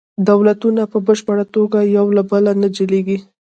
دولتونه په بشپړه توګه یو له بل نه جلیږي